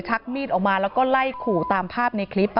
ชักมีดออกมาแล้วก็ไล่ขู่ตามภาพในคลิป